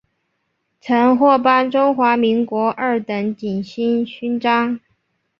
曾获颁中华民国二等景星勋章。